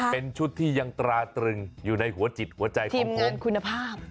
เป็นชุดที่ยังตราตระลึงอยู่ในหัวจิตหัวใจของผม